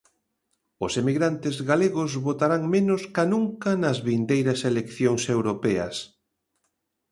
Os emigrantes galegos votarán menos ca nunca nas vindeiras eleccións europeas.